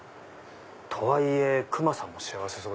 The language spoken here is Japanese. とはいえくまさんも幸せそう。